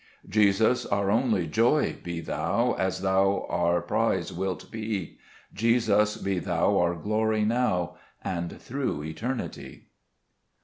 5 Jesus, our only Joy be Thou, As Thou our Prize wilt be ; Jesus, be Thou our Glory now, And through eternity.